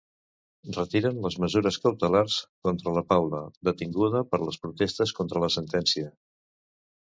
Retiren les mesures cautelars contra la Paula, detinguda per les protestes contra la sentència.